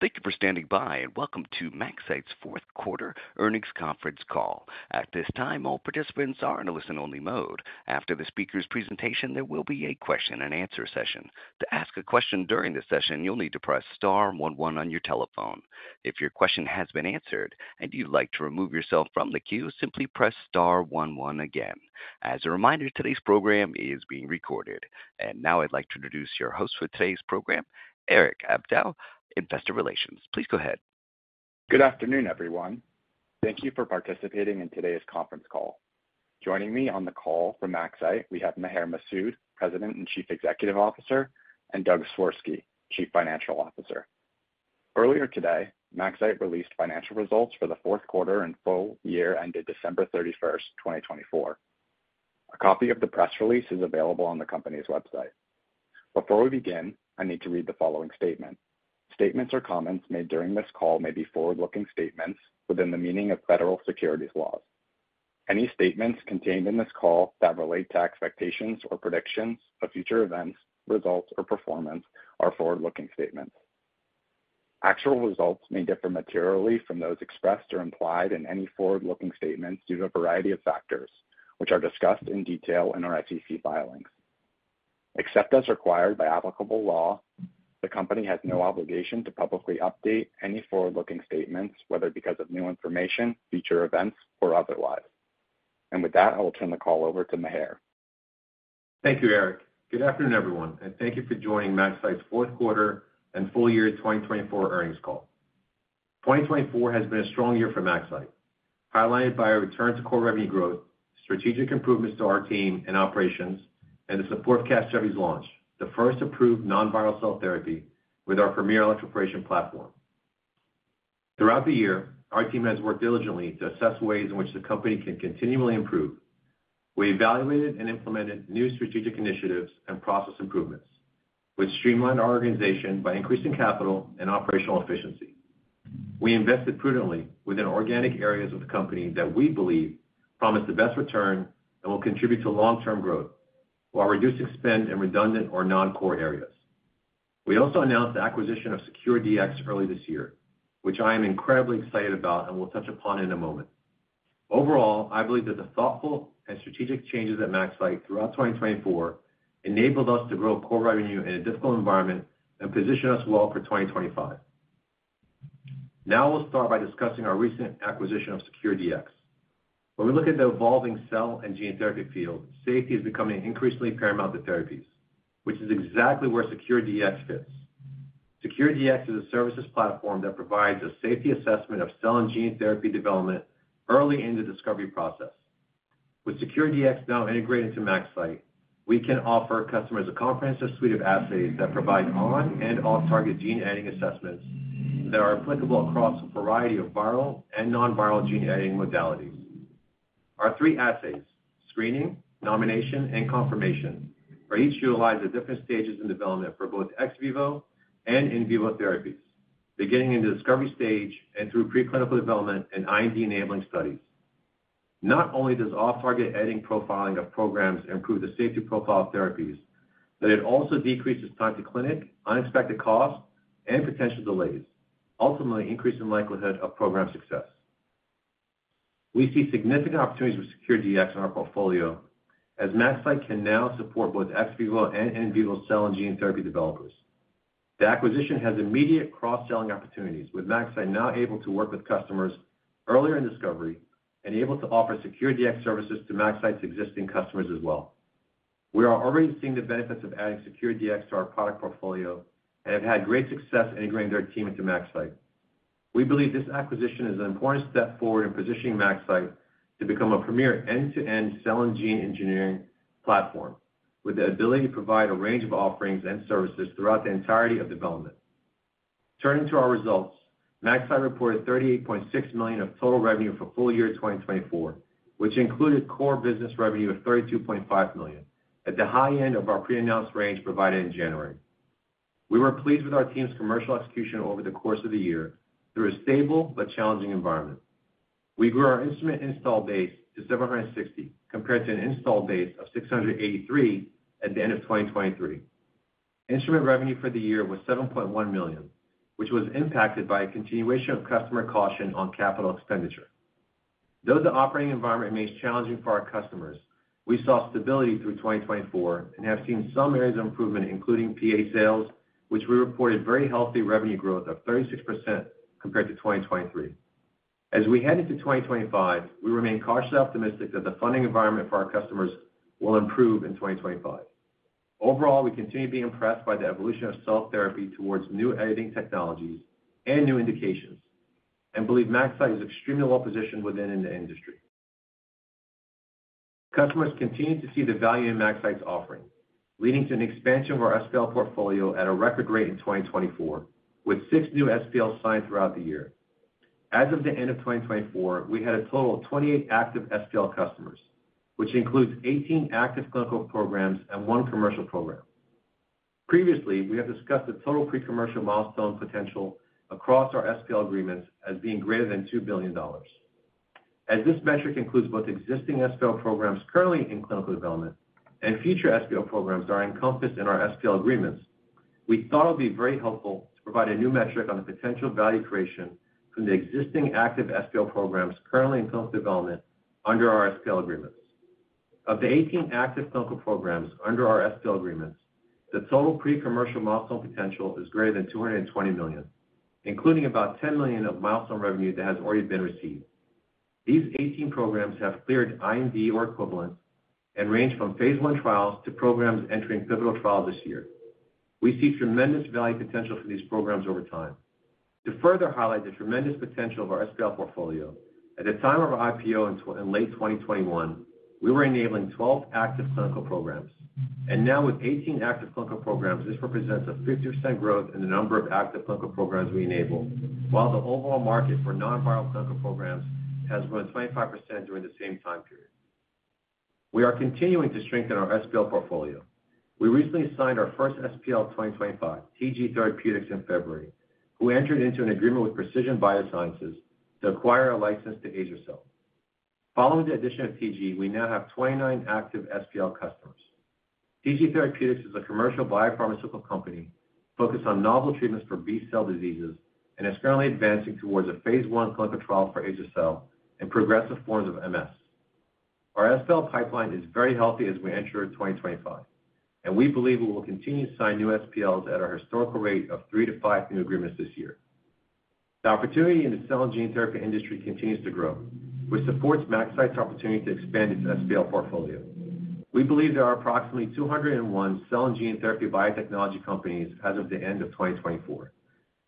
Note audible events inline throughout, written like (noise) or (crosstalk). (audio distortion) Time, all participants are in a listen-only mode. After the speaker's presentation, there will be a question and answer session. To ask a question during this session, you'll need to press star one one on your telephone. If your question has been answered and you'd like to remove yourself from the queue, simply press star one one again. As a reminder, today's program is being recorded. Now I'd like to introduce your host for today's program, Erik Abdo, Investor Relations. Please go ahead. Good afternoon, everyone. Thank you for participating in today's conference call. Joining me on the call from MaxCyte, we have Maher Masoud, President and Chief Executive Officer, and Doug Swirsky, Chief Financial Officer. Earlier today, MaxCyte released financial results for the fourth quarter and full year ended December 31st, 2024. A copy of the press release is available on the company's website. Before we begin, I need to read the following statement. Statements or comments made during this call may be forward-looking statements within the meaning of federal securities laws. Any statements contained in this call that relate to expectations or predictions of future events, results, or performance are forward-looking statements. Actual results may differ materially from those expressed or implied in any forward-looking statements due to a variety of factors, which are discussed in detail in our SEC filings. Except as required by applicable law, the company has no obligation to publicly update any forward-looking statements, whether because of new information, future events, or otherwise. I will turn the call over to Maher. Thank you, Erik. Good afternoon, everyone, and thank you for joining MaxCyte's fourth quarter and full year 2024 earnings call. 2024 has been a strong year for MaxCyte, highlighted by our return to core revenue growth, strategic improvements to our team and operations, and the support of CASGEVY's launch, the first approved non-viral cell therapy with our premier electroporation platform. Throughout the year, our team has worked diligently to assess ways in which the company can continually improve. We evaluated and implemented new strategic initiatives and process improvements, which streamlined our organization by increasing capital and operational efficiency. We invested prudently within organic areas of the company that we believe promise the best return and will contribute to long-term growth while reducing spend in redundant or non-core areas. We also announced the acquisition of SeQure Dx early this year, which I am incredibly excited about and will touch upon in a moment. Overall, I believe that the thoughtful and strategic changes at MaxCyte throughout 2024 enabled us to grow core revenue in a difficult environment and position us well for 2025. Now we'll start by discussing our recent acquisition of SeQure Dx. When we look at the evolving cell and gene therapy field, safety is becoming increasingly paramount to therapies, which is exactly where SeQure Dx fits. SeQure Dx is a services platform that provides a safety assessment of cell and gene therapy development early in the discovery process. With SeQure Dx now integrated into MaxCyte, we can offer customers a comprehensive suite of assays that provide on- and off-target gene editing assessments that are applicable across a variety of viral and non-viral gene editing modalities. Our three assays, Screening, Nomination, and Confirmation, are each utilized at different stages in development for both ex vivo and in vivo therapies, beginning in the discovery stage and through preclinical development and IND-enabling studies. Not only does off-target editing profiling of programs improve the safety profile of therapies, but it also decreases time to clinic, unexpected costs, and potential delays, ultimately increasing the likelihood of program success. We see significant opportunities with SeQure Dx in our portfolio, as MaxCyte can now support both ex vivo and in vivo cell and gene therapy developers. The acquisition has immediate cross-selling opportunities, with MaxCyte now able to work with customers earlier in discovery and able to offer SeQure Dx services to MaxCyte's existing customers as well. We are already seeing the benefits of adding SeQure Dx to our product portfolio and have had great success integrating their team into MaxCyte. We believe this acquisition is an important step forward in positioning MaxCyte to become a premier end-to-end cell and gene engineering platform, with the ability to provide a range of offerings and services throughout the entirety of development. Turning to our results, MaxCyte reported $38.6 million of total revenue for full year 2024, which included core business revenue of $32.5 million, at the high end of our pre-announced range provided in January. We were pleased with our team's commercial execution over the course of the year through a stable but challenging environment. We grew our instrument install base to 760, compared to an install base of 683 at the end of 2023. Instrument revenue for the year was $7.1 million, which was impacted by a continuation of customer caution on capital expenditure. Though the operating environment remains challenging for our customers, we saw stability through 2024 and have seen some areas of improvement, including PA sales, which we reported very healthy revenue growth of 36% compared to 2023. As we head into 2025, we remain cautiously optimistic that the funding environment for our customers will improve in 2025. Overall, we continue to be impressed by the evolution of cell therapy towards new editing technologies and new indications, and believe MaxCyte is extremely well positioned within the industry. Customers continue to see the value in MaxCyte's offering, leading to an expansion of our SPL portfolio at a record rate in 2024, with six new SPLs signed throughout the year. As of the end of 2024, we had a total of 28 active SPL customers, which includes 18 active clinical programs and one commercial program. Previously, we have discussed the total pre-commercial milestone potential across our SPL agreements as being greater than $2 billion. As this metric includes both existing SPL programs currently in clinical development and future SPL programs that are encompassed in our SPL agreements, we thought it would be very helpful to provide a new metric on the potential value creation from the existing active SPL programs currently in clinical development under our SPL agreements. Of the 18 active clinical programs under our SPL agreements, the total pre-commercial milestone potential is greater than $220 million, including about $10 million of milestone revenue that has already been received. These 18 programs have cleared IND or equivalent and range from phase I trials to programs entering pivotal trials this year. We see tremendous value potential for these programs over time. To further highlight the tremendous potential of our SPL portfolio, at the time of our IPO in late 2021, we were enabling 12 active clinical programs. Now, with 18 active clinical programs, this represents a 50% growth in the number of active clinical programs we enable, while the overall market for non-viral clinical programs has grown 25% during the same time period. We are continuing to strengthen our SPL portfolio. We recently signed our first SPL of 2025, TG Therapeutics, in February, who entered into an agreement with Precision BioSciences to acquire a license to azer-cel. Following the addition of TG, we now have 29 active SPL customers. TG Therapeutics is a commercial biopharmaceutical company focused on novel treatments for B-cell diseases and is currently advancing towards a phase I clinical trial for azer-cel and progressive forms of MS. Our SPL pipeline is very healthy as we enter 2025, and we believe we will continue to sign new SPLs at our historical rate of three to five new agreements this year. The opportunity in the cell and gene therapy industry continues to grow, which supports MaxCyte's opportunity to expand its SPL portfolio. We believe there are approximately 201 cell and gene therapy biotechnology companies as of the end of 2024,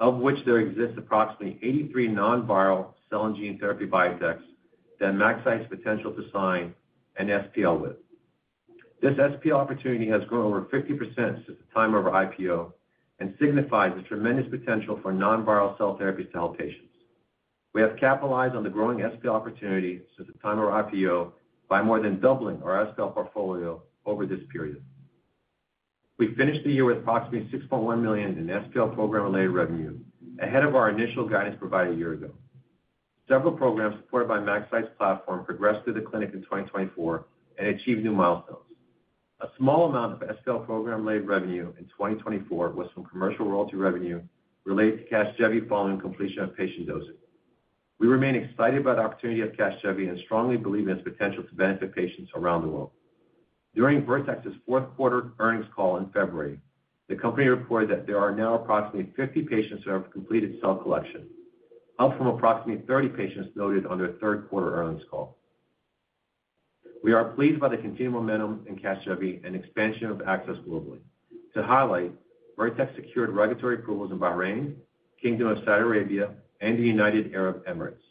of which there exist approximately 83 non-viral cell and gene therapy biotechs that MaxCyte's potential to sign an SPL with. This SPL opportunity has grown over 50% since the time of our IPO and signifies the tremendous potential for non-viral cell therapies to help patients. We have capitalized on the growing SPL opportunity since the time of our IPO by more than doubling our SPL portfolio over this period. We finished the year with approximately $6.1 million in SPL program-related revenue, ahead of our initial guidance provided a year ago. Several programs supported by MaxCyte's platform progressed through the clinic in 2024 and achieved new milestones. A small amount of SPL program-related revenue in 2024 was from commercial royalty revenue related to CASGEVY following completion of patient dosing. We remain excited about the opportunity of CASGEVY and strongly believe in its potential to benefit patients around the world. During Vertex's fourth quarter earnings call in February, the company reported that there are now approximately 50 patients who have completed cell collection, up from approximately 30 patients noted on their third quarter earnings call. We are pleased by the continued momentum in CASGEVY and expansion of access globally. To highlight, Vertex SeQured regulatory approvals in Bahrain, Kingdom of Saudi Arabia, and the United Arab Emirates,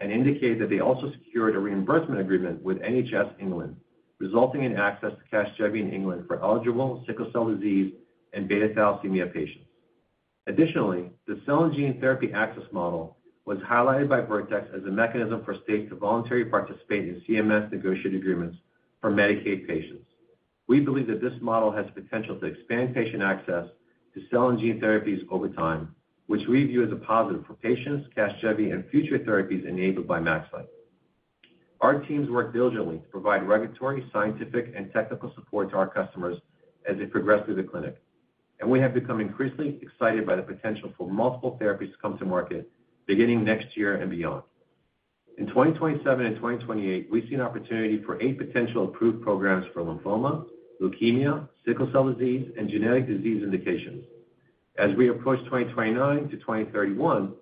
and indicated that they also SeQured a reimbursement agreement with NHS England, resulting in access to CASGEVY in England for eligible sickle cell disease and beta thalassemia patients. Additionally, the cell and gene therapy access model was highlighted by Vertex as a mechanism for states to voluntarily participate in CMS negotiated agreements for Medicaid patients. We believe that this model has the potential to expand patient access to cell and gene therapies over time, which we view as a positive for patients, CASGEVY, and future therapies enabled by MaxCyte. Our teams work diligently to provide regulatory, scientific, and technical support to our customers as they progress through the clinic, and we have become increasingly excited by the potential for multiple therapies to come to market beginning next year and beyond. In 2027 and 2028, we see an opportunity for eight potential approved programs for lymphoma, leukemia, sickle cell disease, and genetic disease indications. As we approach 2029 to 2031,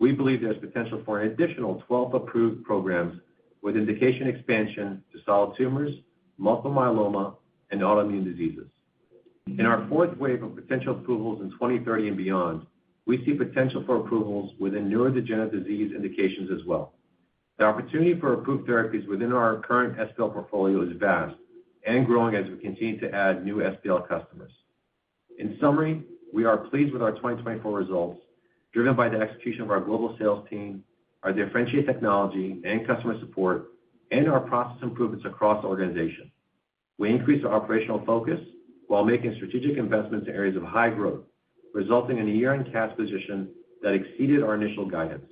we believe there's potential for an additional 12 approved programs with indication expansion to solid tumors, multiple myeloma, and autoimmune diseases. In our fourth wave of potential approvals in 2030 and beyond, we see potential for approvals within neurodegenerative disease indications as well. The opportunity for approved therapies within our current SPL portfolio is vast and growing as we continue to add new SPL customers. In summary, we are pleased with our 2024 results, driven by the execution of our global sales team, our differentiated technology and customer support, and our process improvements across the organization. We increased our operational focus while making strategic investments in areas of high growth, resulting in a year-end cash position that exceeded our initial guidance.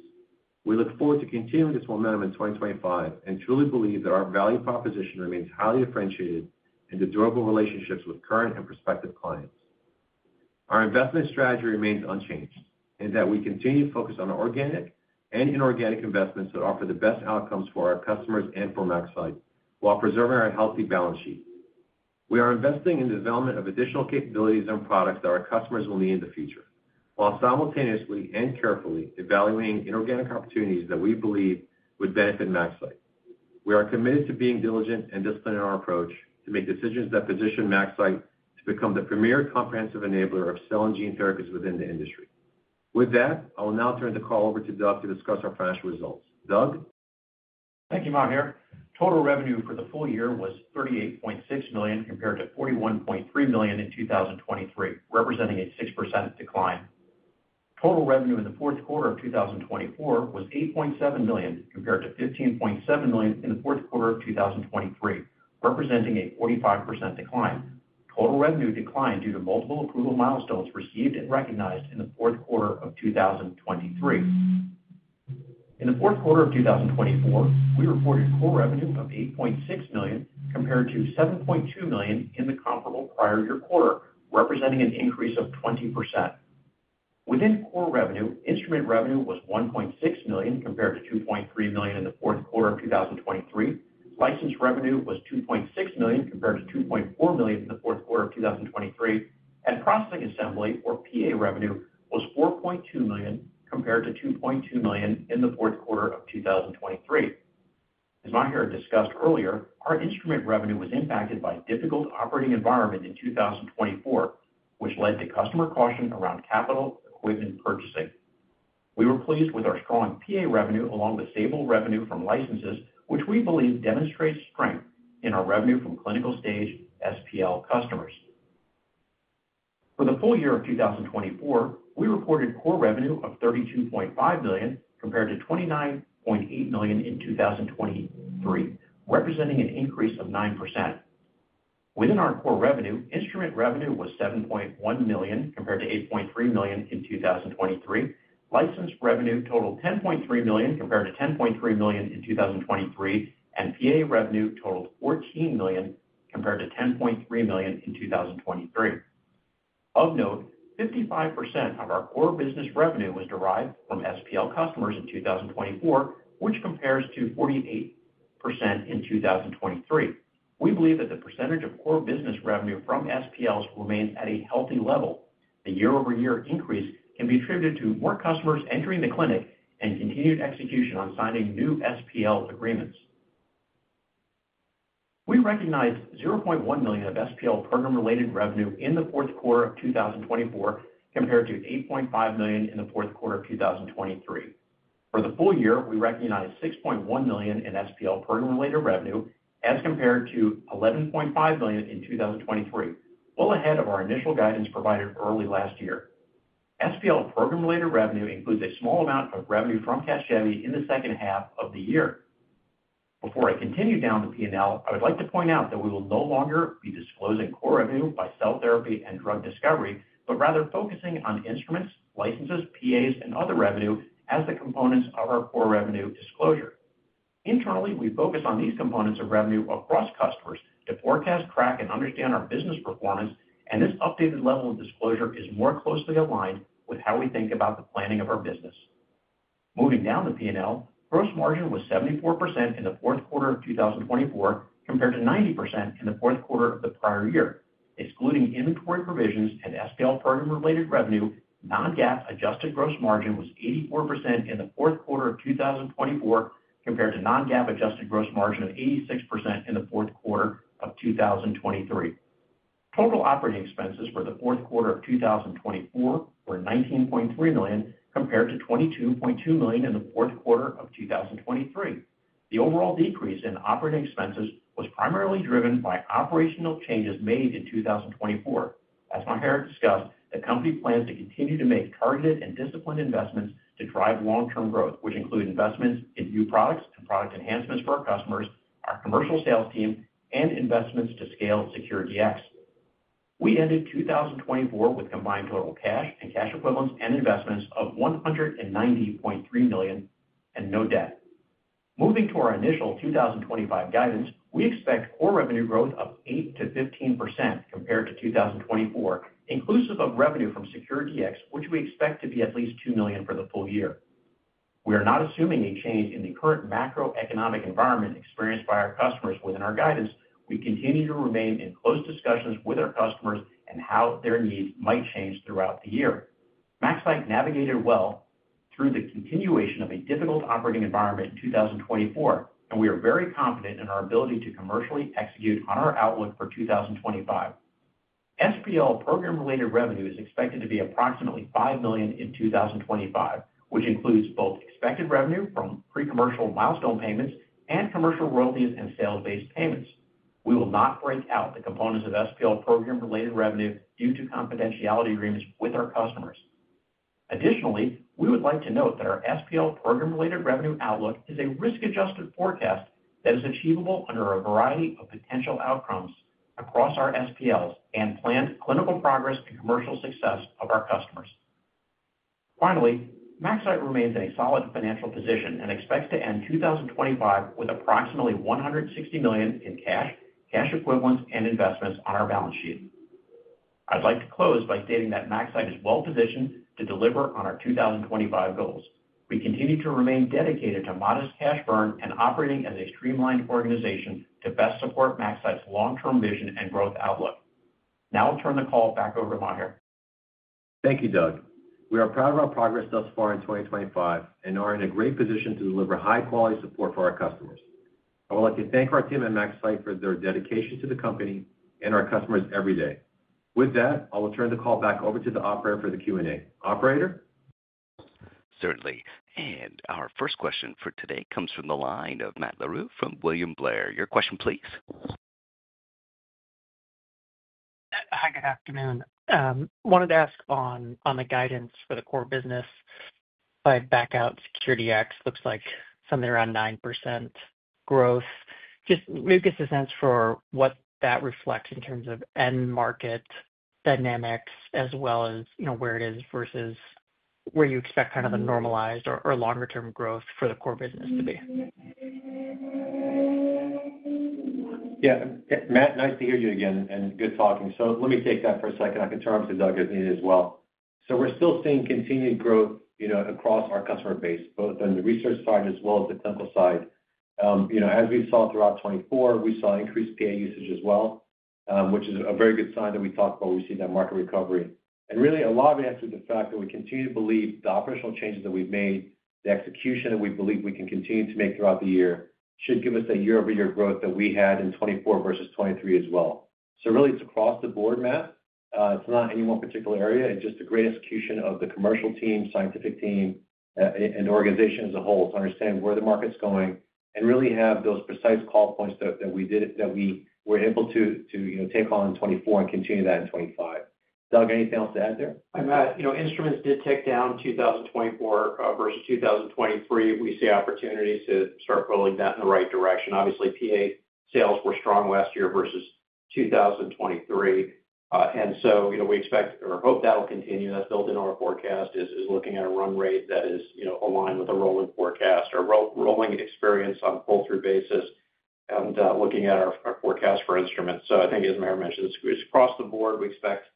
We look forward to continuing this momentum in 2025 and truly believe that our value proposition remains highly differentiated and the durable relationships with current and prospective clients. Our investment strategy remains unchanged in that we continue to focus on organic and inorganic investments that offer the best outcomes for our customers and for MaxCyte while preserving our healthy balance sheet. We are investing in the development of additional capabilities and products that our customers will need in the future, while simultaneously and carefully evaluating inorganic opportunities that we believe would benefit MaxCyte. We are committed to being diligent and disciplined in our approach to make decisions that position MaxCyte to become the premier comprehensive enabler of cell and gene therapies within the industry. With that, I will now turn the call over to Doug to discuss our financial results. Doug. Thank you, Maher. Total revenue for the full year was $38.6 million compared to $41.3 million in 2023, representing a 6% decline. Total revenue in the fourth quarter of 2024 was $8.7 million compared to $15.7 million in the fourth quarter of 2023, representing a 45% decline. Total revenue declined due to multiple approval milestones received and recognized in the fourth quarter of 2023. In the fourth quarter of 2024, we reported core revenue of $8.6 million compared to $7.2 million in the comparable prior year quarter, representing an increase of 20%. Within core revenue, instrument revenue was $1.6 million compared to $2.3 million in the fourth quarter of 2023. License revenue was $2.6 million compared to $2.4 million in the fourth quarter of 2023, and processing assembly or PA revenue was $4.2 million compared to $2.2 million in the fourth quarter of 2023. As Maher discussed earlier, our instrument revenue was impacted by a difficult operating environment in 2024, which led to customer caution around capital equipment purchasing. We were pleased with our strong PA revenue along with stable revenue from licenses, which we believe demonstrates strength in our revenue from clinical stage SPL customers. For the full year of 2024, we reported core revenue of $32.5 million compared to $29.8 million in 2023, representing an increase of 9%. Within our core revenue, instrument revenue was $7.1 million compared to $8.3 million in 2023. License revenue totaled $10.3 million compared to $10.3 million in 2023, and PA revenue totaled $14 million compared to $10.3 million in 2023. Of note, 55% of our core business revenue was derived from SPL customers in 2024, which compares to 48% in 2023. We believe that the percentage of core business revenue from SPLs remains at a healthy level. The year-over-year increase can be attributed to more customers entering the clinic and continued execution on signing new SPL agreements. We recognized $0.1 million of SPL program-related revenue in the fourth quarter of 2024 compared to $8.5 million in the fourth quarter of 2023. For the full year, we recognized $6.1 million in SPL program-related revenue as compared to $11.5 million in 2023, well ahead of our initial guidance provided early last year. SPL program-related revenue includes a small amount of revenue from CASGEVY in the second half of the year. Before I continue down the P&L, I would like to point out that we will no longer be disclosing core revenue by cell therapy and drug discovery, but rather focusing on instruments, licenses, PAs, and other revenue as the components of our core revenue disclosure. Internally, we focus on these components of revenue across customers to forecast, track, and understand our business performance, and this updated level of disclosure is more closely aligned with how we think about the planning of our business. Moving down the P&L, gross margin was 74% in the fourth quarter of 2024 compared to 90% in the fourth quarter of the prior year. Excluding inventory provisions and SPL program-related revenue, non-GAAP adjusted gross margin was 84% in the fourth quarter of 2024 compared to non-GAAP adjusted gross margin of 86% in the fourth quarter of 2023. Total operating expenses for the fourth quarter of 2024 were $19.3 million compared to $22.2 million in the fourth quarter of 2023. The overall decrease in operating expenses was primarily driven by operational changes made in 2024. As Maher discussed, the company plans to continue to make targeted and disciplined investments to drive long-term growth, which include investments in new products and product enhancements for our customers, our commercial sales team, and investments to scale SeQure Dx. We ended 2024 with combined total cash and cash equivalents and investments of $190.3 million and no debt. Moving to our initial 2025 guidance, we expect core revenue growth of 8%-15% compared to 2024, inclusive of revenue from SeQure Dx, which we expect to be at least $2 million for the full year. We are not assuming a change in the current macroeconomic environment experienced by our customers within our guidance. We continue to remain in close discussions with our customers and how their needs might change throughout the year. MaxCyte navigated well through the continuation of a difficult operating environment in 2024, and we are very confident in our ability to commercially execute on our outlook for 2025. SPL program-related revenue is expected to be approximately $5 million in 2025, which includes both expected revenue from pre-commercial milestone payments and commercial royalties and sales-based payments. We will not break out the components of SPL program-related revenue due to confidentiality agreements with our customers. Additionally, we would like to note that our SPL program-related revenue outlook is a risk-adjusted forecast that is achievable under a variety of potential outcomes across our SPLs and planned clinical progress and commercial success of our customers. Finally, MaxCyte remains in a solid financial position and expects to end 2025 with approximately $160 million in cash, cash equivalents, and investments on our balance sheet. I'd like to close by stating that MaxCyte is well-positioned to deliver on our 2025 goals. We continue to remain dedicated to modest cash burn and operating as a streamlined organization to best support MaxCyte's long-term vision and growth outlook. Now I'll turn the call back over to Maher. Thank you, Doug. We are proud of our progress thus far in 2025 and are in a great position to deliver high-quality support for our customers. I would like to thank our team at MaxCyte for their dedication to the company and our customers every day. With that, I will turn the call back over to the operator for the Q&A. Operator? Certainly. Our first question for today comes from the line of Matt Larew from William Blair. Your question, please. Hi, good afternoon. I wanted to ask on the guidance for the core business by back out SeQure Dx. Looks like something around 9% growth. Just maybe give us a sense for what that reflects in terms of end market dynamics as well as where it is versus where you expect kind of the normalized or longer-term growth for the core business to be. Yeah. Matt, nice to hear you again and good talking. Let me take that for a second. I can turn it over to Doug as needed as well. We are still seeing continued growth across our customer base, both on the research side as well as the clinical side. As we saw throughout 2024, we saw increased PA usage as well, which is a very good sign that we talked about. We see that market recovery. Really, a lot of it has to do with the fact that we continue to believe the operational changes that we've made, the execution that we believe we can continue to make throughout the year should give us that year-over-year growth that we had in 2024 versus 2023 as well. Really, it's across the board, Matt. It's not any one particular area. It's just a great execution of the commercial team, scientific team, and organization as a whole to understand where the market's going and really have those precise call points that we were able to take on in 2024 and continue that in 2025. Doug, anything else to add there? Hi, Matt. Instruments did tick down 2024 versus 2023. We see opportunities to start building that in the right direction. Obviously, PA sales were strong last year versus 2023. We expect or hope that'll continue. That's built into our forecast, looking at a run rate that is aligned with a rolling forecast or rolling experience on a full-through basis and looking at our forecast for instruments. I think, as Maher mentioned, it's across the board. We expect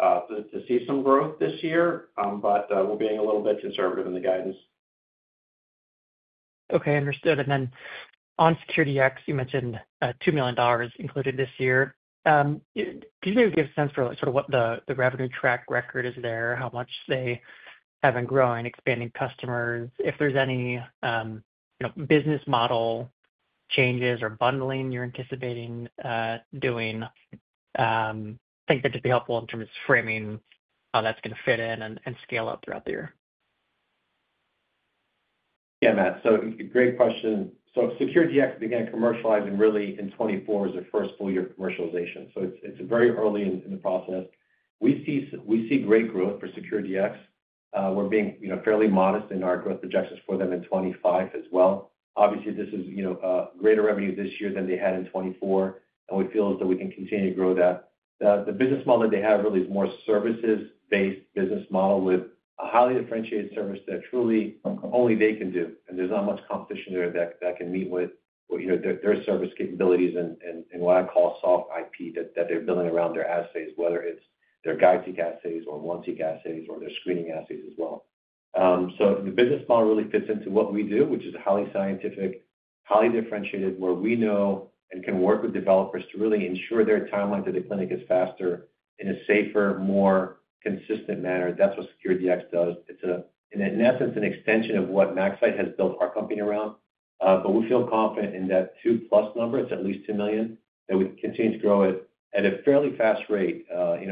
to see some growth this year, but we're being a little bit conservative in the guidance. Okay. Understood. On SeQure Dx, you mentioned $2 million included this year. Could you maybe give a sense for sort of what the revenue track record is there, how much they have been growing, expanding customers, if there's any business model changes or bundling you're anticipating doing? Things that could be helpful in terms of framing how that's going to fit in and scale up throughout the year. Yeah, Matt. Great question. SeQure Dx began commercializing really in 2024 as their first full year commercialization. It is very early in the process. We see great growth for SeQure Dx. We are being fairly modest in our growth projections for them in 2025 as well. Obviously, this is greater revenue this year than they had in 2024, and we feel as though we can continue to grow that. The business model that they have really is more services-based business model with a highly differentiated service that truly only they can do. There is not much competition there that can meet with their service capabilities and what I call soft IP that they are building around their assays, whether it is their GUIDE-seq assays or ONE-seq assays or their Screening assays as well. The business model really fits into what we do, which is a highly scientific, highly differentiated, where we know and can work with developers to really ensure their timeline to the clinic is faster in a safer, more consistent manner. That's what SeQure Dx does. It's, in essence, an extension of what MaxCyte has built our company around. We feel confident in that 2+ number, it's at least $2 million, that we continue to grow at a fairly fast rate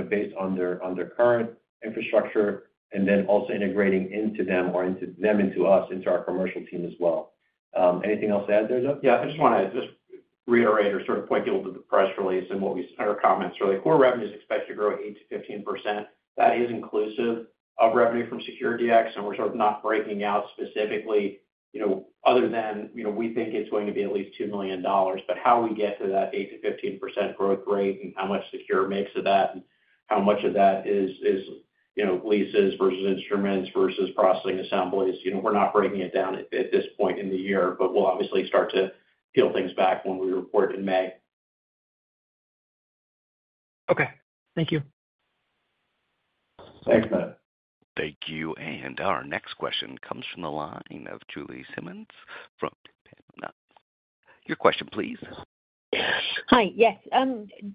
based on their current infrastructure and then also integrating into them or into them into us, into our commercial team as well. Anything else to add there, Doug? Yeah. I just want to reiterate or sort of point you a little bit to the press release and what we saw in our comments. We're like, "Core revenues expect to grow 8%-15%." That is inclusive of revenue from SeQure Dx, and we're sort of not breaking out specifically other than we think it's going to be at least $2 million. How we get to that 8%-15% growth rate and how much SeQure makes of that and how much of that is leases versus instruments versus processing assemblies, we're not breaking it down at this point in the year, but we'll obviously start to peel things back when we report in May. Okay. Thank you. Thanks, Matt. Thank you. Our next question comes from the line of Julie Simmonds from. (audio distortion) Your question, please. Hi. Yes.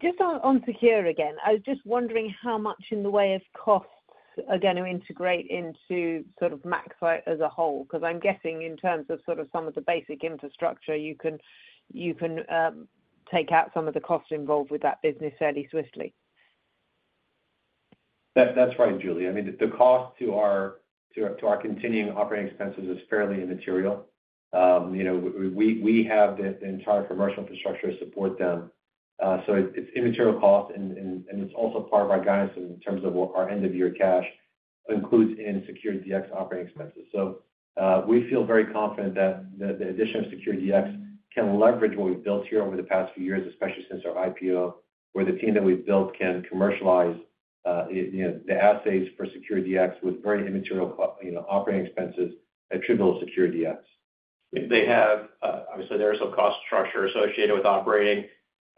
Just on SeQure again, I was just wondering how much in the way of costs are going to integrate into sort of MaxCyte as a whole? Because I'm guessing in terms of sort of some of the basic infrastructure, you can take out some of the costs involved with that business fairly swiftly. That's right, Julie. I mean, the cost to our continuing operating expenses is fairly immaterial. We have the entire commercial infrastructure to support them. It's immaterial cost, and it's also part of our guidance in terms of what our end-of-year cash includes in SeQure Dx operating expenses. We feel very confident that the addition of SeQure Dx can leverage what we've built here over the past few years, especially since our IPO, where the team that we've built can commercialize the assays for SeQure Dx with very immaterial operating expenses attributable to SeQure Dx. They have, obviously, there is a cost structure associated with operating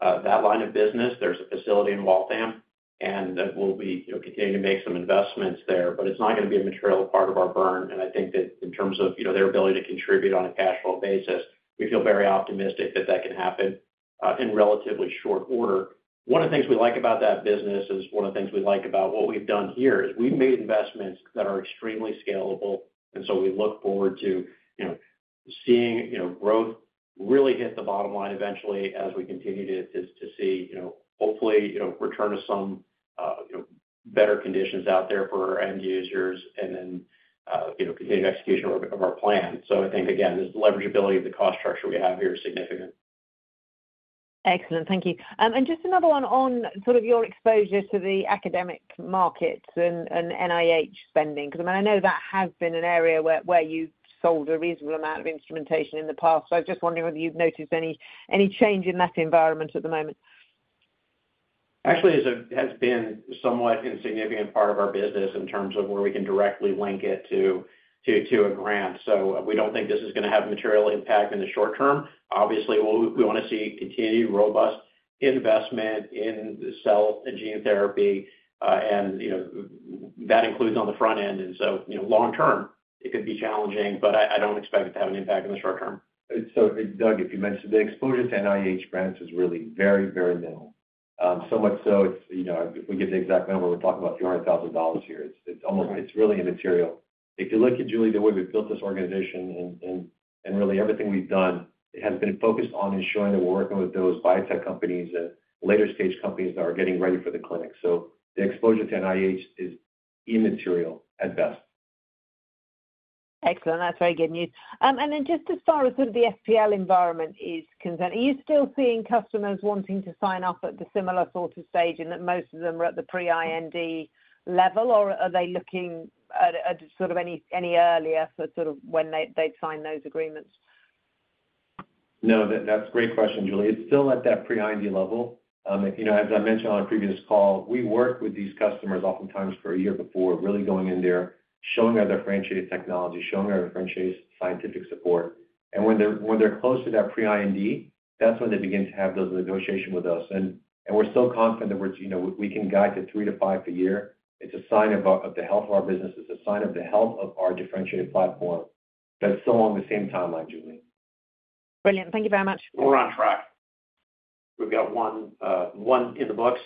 that line of business. There's a facility in Waltham, and we'll be continuing to make some investments there. It is not going to be a material part of our burn. I think that in terms of their ability to contribute on a cash flow basis, we feel very optimistic that that can happen in relatively short order. One of the things we like about that business is one of the things we like about what we have done here is we have made investments that are extremely scalable. We look forward to seeing growth really hit the bottom line eventually as we continue to see, hopefully, return to some better conditions out there for our end users and then continue execution of our plan. I think, again, the leverageability of the cost structure we have here is significant. Excellent. Thank you. Just another one on sort of your exposure to the academic markets and NIH spending. Because, I mean, I know that has been an area where you've sold a reasonable amount of instrumentation in the past. I was just wondering whether you've noticed any change in that environment at the moment. Actually, it has been a somewhat insignificant part of our business in terms of where we can directly link it to a grant. We don't think this is going to have a material impact in the short term. Obviously, we want to see continued robust investment in cell and gene therapy, and that includes on the front end. Long term, it could be challenging, but I don't expect it to have an impact in the short term. Doug, you mentioned the exposure to NIH grants is really very, very minimal. If we get the exact number, we're talking about $300,000 here. It's really immaterial. If you look at, Julie, the way we've built this organization and really everything we've done, it has been focused on ensuring that we're working with those biotech companies and later-stage companies that are getting ready for the clinic. The exposure to NIH is immaterial at best. Excellent. That's very good news. Just as far as the SPL environment is concerned, are you still seeing customers wanting to sign off at the similar sort of stage and that most of them are at the pre-IND level, or are they looking at any earlier for when they'd sign those agreements? No, that's a great question, Julie. It's still at that pre-IND level. As I mentioned on a previous call, we work with these customers oftentimes for a year before really going in there, showing our differentiated technology, showing our differentiated scientific support. When they're close to that pre-IND, that's when they begin to have those negotiations with us. We're so confident that we can guide to three to five a year. It's a sign of the health of our business. It's a sign of the health of our differentiated platform. That's still along the same timeline, Julie. Brilliant. Thank you very much. We're on track. We've got one in the books.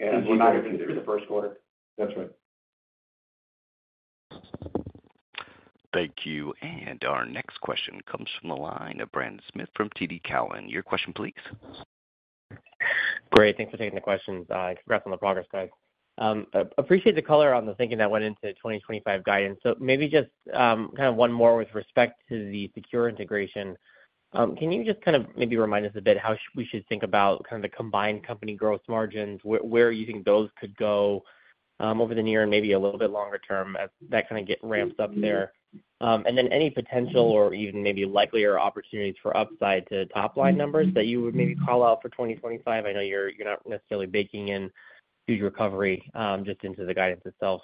We're not going to be through the first quarter. That's right. Thank you. Our next question comes from the line of Brendan Smith from TD Cowen. Your question, please. Great. Thanks for taking the questions. Congrats on the progress, guys. Appreciate the color on the thinking that went into 2025 guidance. Maybe just kind of one more with respect to the SeQure integration. Can you just kind of maybe remind us a bit how we should think about kind of the combined company growth margins, where you think those could go over the near and maybe a little bit longer term as that kind of gets ramped up there? Then any potential or even maybe likelier opportunities for upside to top-line numbers that you would maybe call out for 2025? I know you're not necessarily baking in huge recovery just into the guidance itself.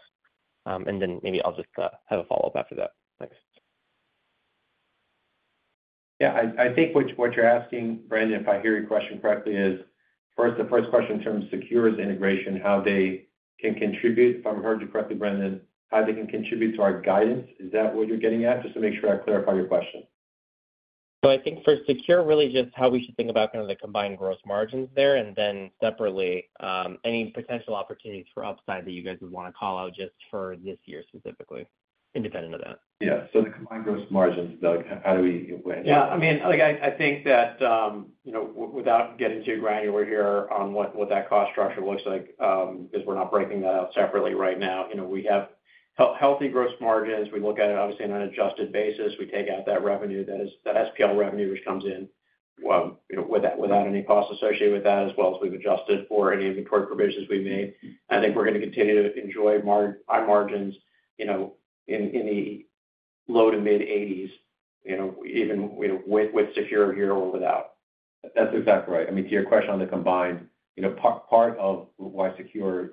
Maybe I'll just have a follow-up after that. Thanks. Yeah. I think what you're asking, Brandon, if I hear your question correctly, is the first question in terms of SeQure's integration, how they can contribute, if I heard you correctly, Brendan, how they can contribute to our guidance. Is that what you're getting at? Just to make sure I clarify your question. I think for SeQure, really just how we should think about kind of the combined gross margins there and then separately, any potential opportunities for upside that you guys would want to call out just for this year specifically, independent of that. Yeah. The combined gross margins, Doug, how do we? Yeah. I mean, I think that without getting too granular here on what that cost structure looks like, because we're not breaking that out separately right now, we have healthy gross margins. We look at it, obviously, on an adjusted basis. We take out that revenue, that SPL revenue, which comes in without any cost associated with that, as well as we've adjusted for any inventory provisions we've made. I think we're going to continue to enjoy our margins in the low to mid-80%, even with SeQure here or without. That's exactly right. I mean, to your question on the combined, part of why SeQure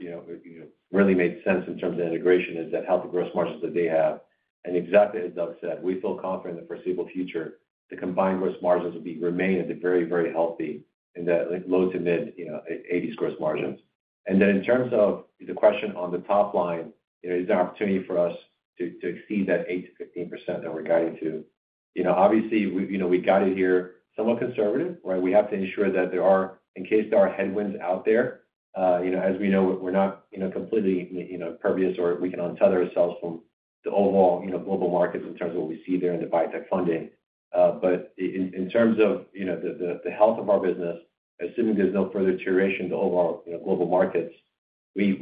really made sense in terms of integration is that healthy gross margins that they have. Exactly as Doug said, we feel confident in the foreseeable future, the combined gross margins will remain at the very, very healthy in the low to mid-80% gross margins. In terms of the question on the top line, is there an opportunity for us to exceed that 8%-15% that we're guiding to? Obviously, we guided here somewhat conservative, right? We have to ensure that there are, in case there are headwinds out there. As we know, we're not completely impervious or we can untether ourselves from the overall global markets in terms of what we see there in the biotech funding. In terms of the health of our business, assuming there's no further deterioration in the overall global markets, we've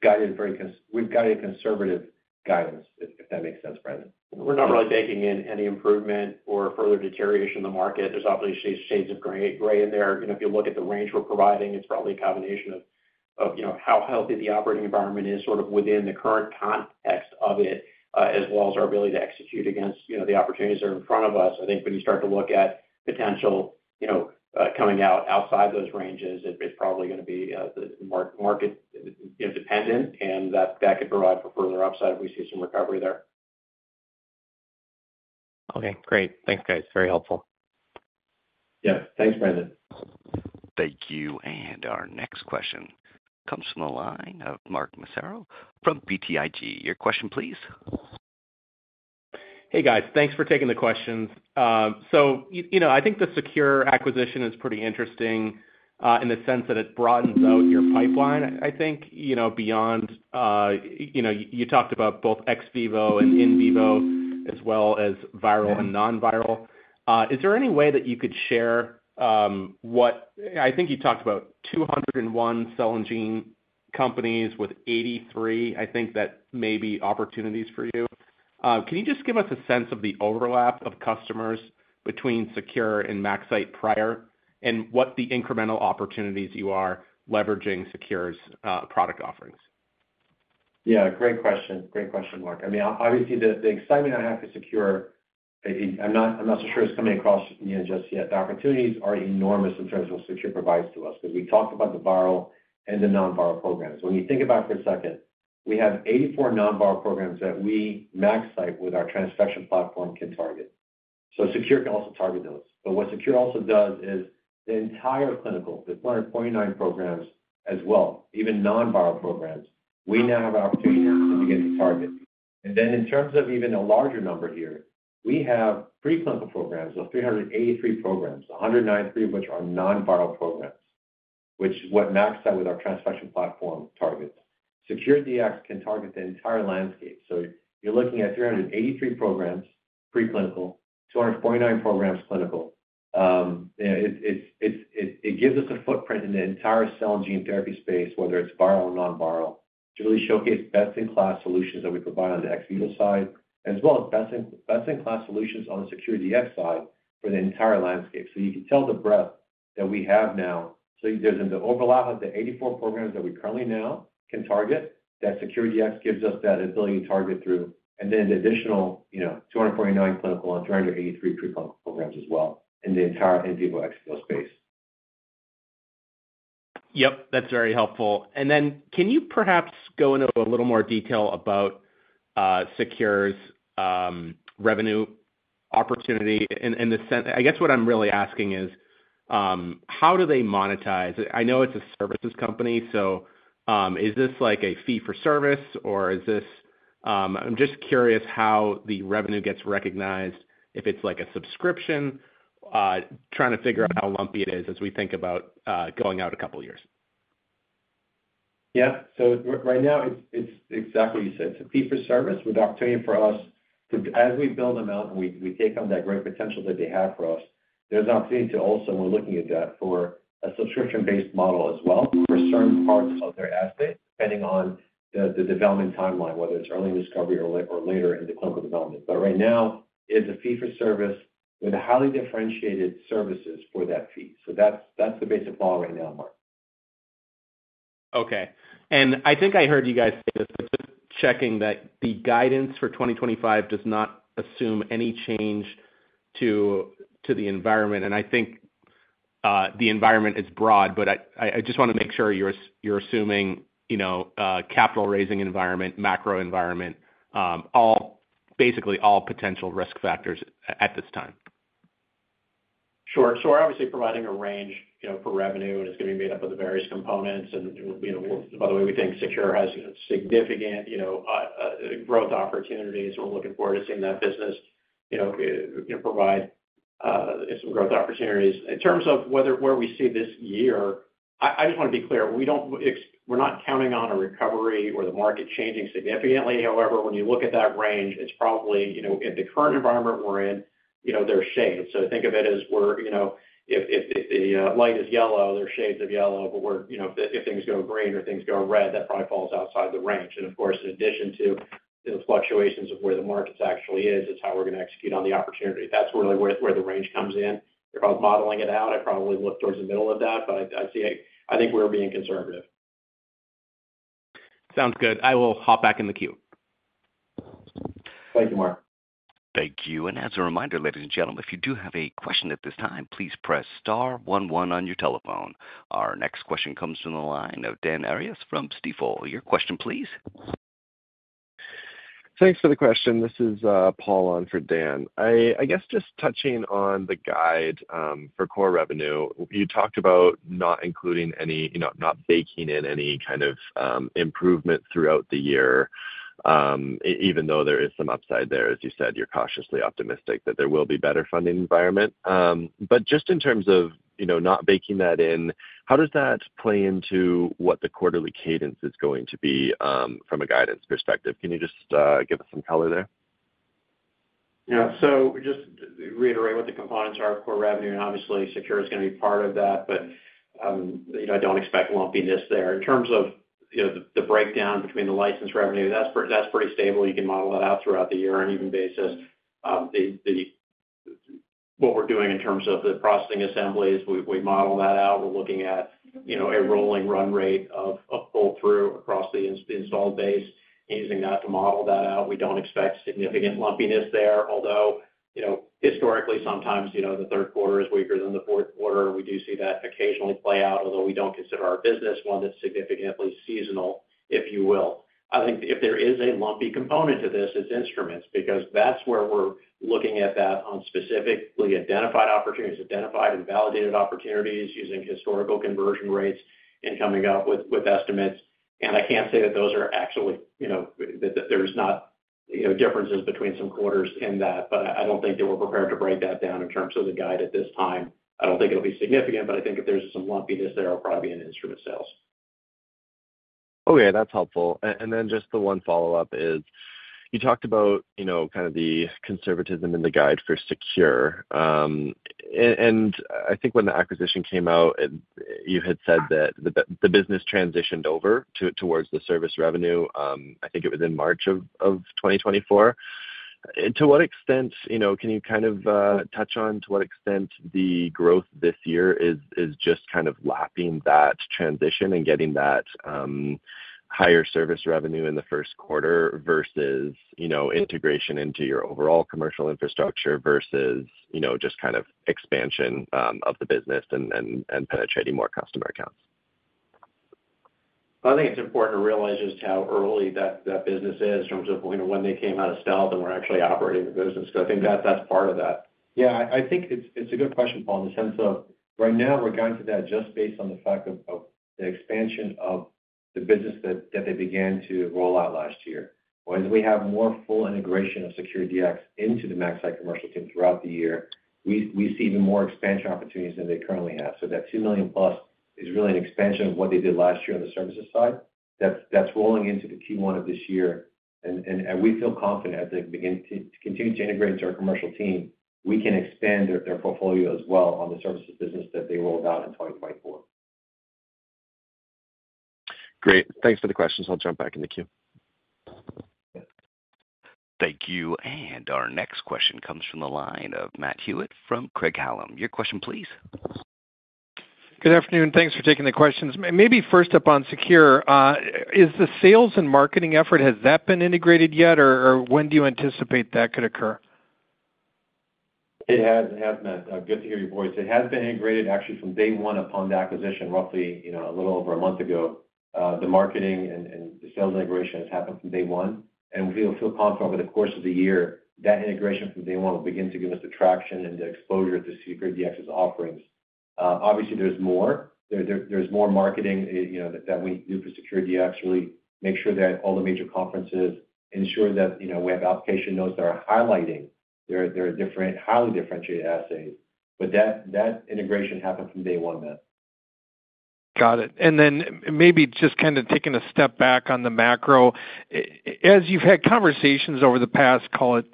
guided a conservative guidance, if that makes sense, Brendan. We're not really baking in any improvement or further deterioration of the market. There's obviously shades of gray in there. If you look at the range we're providing, it's probably a combination of how healthy the operating environment is sort of within the current context of it, as well as our ability to execute against the opportunities that are in front of us. I think when you start to look at potential coming out outside those ranges, it's probably going to be market-dependent, and that could provide for further upside if we see some recovery there. Okay. Great. Thanks, guys. Very helpful. Yeah. Thanks, Brandon. Thank you. Our next question comes from the line of Mark Massaro from BTIG. Your question, please. Hey, guys. Thanks for taking the questions. I think the SeQure acquisition is pretty interesting in the sense that it broadens out your pipeline, I think, beyond you talked about both ex vivo and in vivo, as well as viral and non-viral. Is there any way that you could share what I think you talked about 201 cell and gene companies with 83, I think, that may be opportunities for you. Can you just give us a sense of the overlap of customers between SeQure and MaxCyte prior and what the incremental opportunities you are leveraging SeQure's product offerings? Yeah. Great question. Great question, Mark. I mean, obviously, the excitement I have for SeQure, I'm not so sure it's coming across just yet. The opportunities are enormous in terms of what SeQure provides to us because we talked about the viral and the non-viral programs. When you think about it for a second, we have 84 non-viral programs that we, MaxCyte, with our transfection platform, can target. SeQure Dx can also target those. What SeQure Dx also does is the entire clinical, the 249 programs as well, even non-viral programs, we now have an opportunity to begin to target. In terms of even a larger number here, we have preclinical programs of 383 programs, 193 of which are non-viral programs, which is what MaxCyte with our transfection platform targets. SeQure Dx can target the entire landscape. You are looking at 383 programs, preclinical, 249 programs, clinical. It gives us a footprint in the entire cell and gene therapy space, whether it is viral or non-viral, to really showcase best-in-class solutions that we provide on the ex vivo side, as well as best-in-class solutions on the SeQure Dx side for the entire landscape. You can tell the breadth that we have now. There is the overlap of the 84 programs that we currently now can target that SeQure Dx gives us that ability to target through, and then the additional 249 clinical and 383 preclinical programs as well in the entire in vivo ex vivo space. Yep. That is very helpful. Can you perhaps go into a little more detail about SeQure's revenue opportunity? I guess what I am really asking is, how do they monetize? I know it is a services company. Is this a fee-for-service, or is this—I am just curious how the revenue gets recognized, if it is a subscription, trying to figure out how lumpy it is as we think about going out a couple of years. Yeah. Right now, it is exactly what you said. It is a fee-for-service with an opportunity for us. As we build them out and we take on that great potential that they have for us, there's an opportunity to also, and we're looking at that, for a subscription-based model as well for certain parts of their assets, depending on the development timeline, whether it's early in discovery or later in the clinical development. Right now, it's a fee-for-service with highly differentiated services for that fee. That's the basic model right now, Mark. Okay. I think I heard you guys say this, but just checking that the guidance for 2025 does not assume any change to the environment. I think the environment is broad, but I just want to make sure you're assuming capital-raising environment, macro environment, basically all potential risk factors at this time. Sure. We're obviously providing a range for revenue, and it's going to be made up of the various components. By the way, we think SeQure Dx has significant growth opportunities. We are looking forward to seeing that business provide some growth opportunities. In terms of where we see this year, I just want to be clear. We are not counting on a recovery or the market changing significantly. However, when you look at that range, it is probably, in the current environment we are in, there are shades. Think of it as if the light is yellow, there are shades of yellow, but if things go green or things go red, that probably falls outside the range. Of course, in addition to the fluctuations of where the market actually is, it is how we are going to execute on the opportunity. That is really where the range comes in. If I was modeling it out, I would probably look towards the middle of that, but I think we are being conservative. Sounds good. I will hop back in the queue. Thank you, Mark. Thank you. As a reminder, ladies and gentlemen, if you do have a question at this time, please press star one one on your telephone. Our next question comes from the line of Dan Arias from Stifel. Your question, please. Thanks for the question. This is Paul on for Dan. I guess just touching on the guide for core revenue, you talked about not including any, not baking in any kind of improvement throughout the year, even though there is some upside there. As you said, you're cautiously optimistic that there will be a better funding environment. Just in terms of not baking that in, how does that play into what the quarterly cadence is going to be from a guidance perspective? Can you just give us some color there? Yeah. Just reiterate what the components are of core revenue. Obviously, SeQure is going to be part of that, but I don't expect lumpiness there. In terms of the breakdown between the license revenue, that's pretty stable. You can model that out throughout the year on an even basis. What we're doing in terms of the processing assemblies, we model that out. We're looking at a rolling run rate of pull-through across the installed base and using that to model that out. We don't expect significant lumpiness there, although historically, sometimes the third quarter is weaker than the fourth quarter. We do see that occasionally play out, although we don't consider our business one that's significantly seasonal, if you will. I think if there is a lumpy component to this, it's instruments because that's where we're looking at that on specifically identified opportunities, identified and validated opportunities using historical conversion rates and coming up with estimates. I can't say that those are actually that there's not differences between some quarters in that, but I don't think that we're prepared to break that down in terms of the guide at this time. I don't think it'll be significant, but I think if there's some lumpiness there, it'll probably be in instrument sales. Okay. That's helpful. The one follow-up is you talked about kind of the conservatism in the guide for SeQure. I think when the acquisition came out, you had said that the business transitioned over towards the service revenue. I think it was in March of 2024. To what extent can you kind of touch on to what extent the growth this year is just kind of lapping that transition and getting that higher service revenue in the first quarter versus integration into your overall commercial infrastructure versus just kind of expansion of the business and penetrating more customer accounts? I think it's important to realize just how early that business is in terms of when they came out of stealth and were actually operating the business because I think that's part of that. Yeah. I think it's a good question, Paul, in the sense of right now, we're guiding to that just based on the fact of the expansion of the business that they began to roll out last year. As we have more full integration of SeQure Dx into the MaxCyte commercial team throughout the year, we see even more expansion opportunities than they currently have. That $2 million+ is really an expansion of what they did last year on the services side. That is rolling into the Q1 of this year. We feel confident as they continue to integrate into our commercial team, we can expand their portfolio as well on the services business that they rolled out in 2024. Great. Thanks for the questions. I'll jump back in the queue. Thank you. Our next question comes from the line of Matt Hewitt from Craig-Hallum. Your question, please. Good afternoon. Thanks for taking the questions. Maybe first up on SeQure, is the sales and marketing effort, has that been integrated yet, or when do you anticipate that could occur? It has, Matt. Good to hear your voice. It has been integrated actually from day one upon the acquisition, roughly a little over a month ago. The marketing and the sales integration has happened from day one. We feel confident over the course of the year that integration from day one will begin to give us the traction and the exposure to SeQure Dx's offerings. Obviously, there's more. There's more marketing that we need to do for SeQure Dx, really make sure that all the major conferences ensure that we have application notes that are highlighting their different highly differentiated assets. That integration happened from day one, Matt. Got it. Maybe just kind of taking a step back on the macro, as you've had conversations over the past, call it,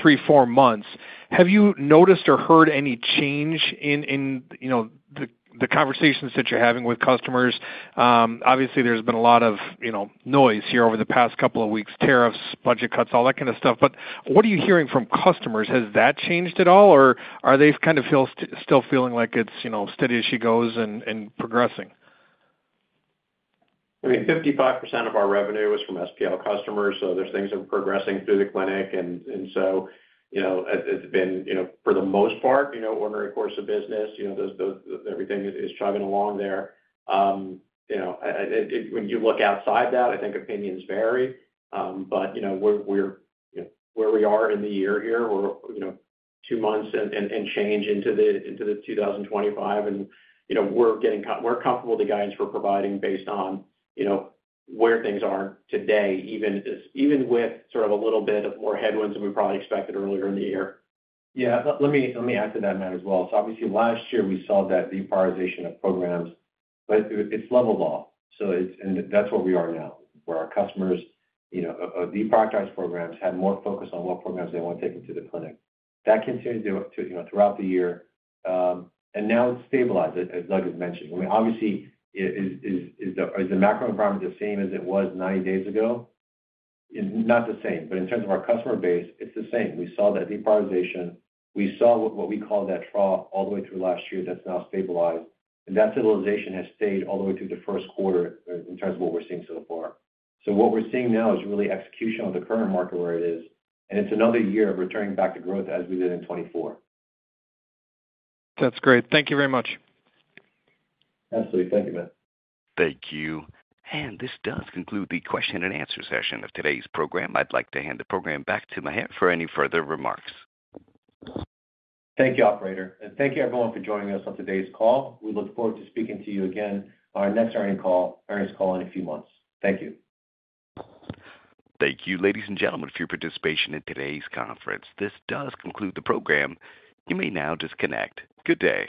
three, four months, have you noticed or heard any change in the conversations that you're having with customers? Obviously, there's been a lot of noise here over the past couple of weeks, tariffs, budget cuts, all that kind of stuff. What are you hearing from customers? Has that changed at all, or are they kind of still feeling like it's steady as she goes and progressing? I mean, 55% of our revenue is from SPL customers. So there are things that are progressing through the clinic. It has been, for the most part, ordinary course of business. Everything is chugging along there. When you look outside that, I think opinions vary. Where we are in the year here, we're two months and change into 2025. We're comfortable with the guidance we're providing based on where things are today, even with sort of a little bit more headwinds than we probably expected earlier in the year. Let me add to that, Matt, as well. Obviously, last year, we saw that deprioritization of programs, but it's leveled off. That is where we are now, where our customers, the prioritized programs, have more focus on what programs they want to take into the clinic. That continued throughout the year. Now it is stabilized, as Doug has mentioned. I mean, obviously, is the macro environment the same as it was 90 days ago? Not the same. In terms of our customer base, it is the same. We saw that deprioritization. We saw what we call that trough all the way through last year that is now stabilized. That stabilization has stayed all the way through the first quarter in terms of what we are seeing so far. What we are seeing now is really execution on the current market where it is. It is another year of returning back to growth as we did in 2024. That is great. Thank you very much. Absolutely. Thank you, Matt. Thank you. This does conclude the question and answer session of today's program. I'd like to hand the program back to Maher for any further remarks. Thank you, operator. Thank you, everyone, for joining us on today's call. We look forward to speaking to you again on our next earnings call in a few months. Thank you. Thank you, ladies and gentlemen, for your participation in today's conference. This does conclude the program. You may now disconnect. Good day.